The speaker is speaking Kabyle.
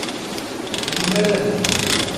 Ur tellim ara din.